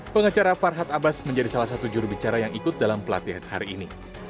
pengacara farhad abbas menjadi salah satu jurubicara yang ikut dalam pelatihan hari ini